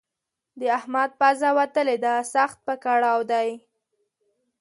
د احمد پزه وتلې ده؛ سخت په کړاو دی.